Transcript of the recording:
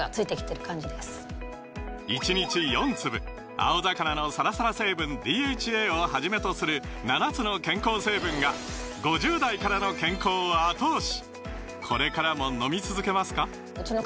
青魚のサラサラ成分ＤＨＡをはじめとする７つの健康成分が５０代からの健康を後押し！